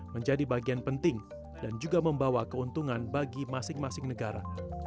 menjadi bagian penting dan juga membawa keuntungan bagi masing masing negara